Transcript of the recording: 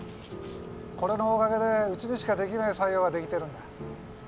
これのおかげでうちでしかできない作業ができてるんだ